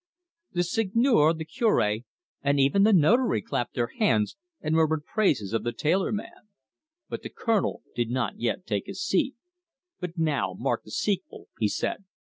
The Seigneur, the Cure, and even the Notary clapped their hands, and murmured praises of the tailor man. But the Colonel did not yet take his seat. "But now, mark the sequel," he said.